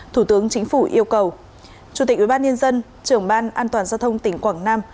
thủ tướng chính phủ yêu cầu chủ tịch ubnd trưởng ban an toàn giao thông tỉnh quảng nam